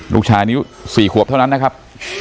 ลูกชายนิ้ว๔ขวบเท่านั้นนะครับ